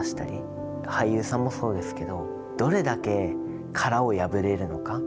俳優さんもそうですけどどれだけ殻を破れるのか。